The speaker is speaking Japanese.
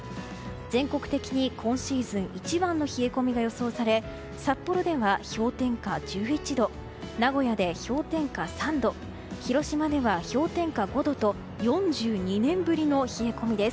全国的に今シーズン一番の冷え込みが予想され札幌では氷点下１１度名古屋で氷点下３度広島では氷点下５度と４２年ぶりの冷え込みです。